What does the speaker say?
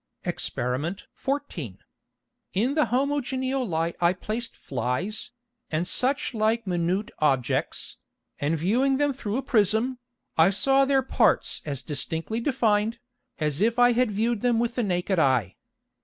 Exper. 14. In the homogeneal Light I placed Flies, and such like minute Objects, and viewing them through a Prism, I saw their Parts as distinctly defined, as if I had viewed them with the naked Eye.